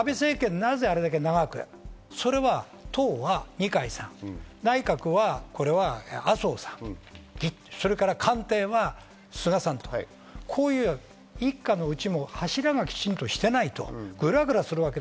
なぜあれだけ長かったか、それは党は二階さん、内閣は麻生さん、官邸は菅さん、こういう一家の家の柱がきちんとしてないとぐらぐらする。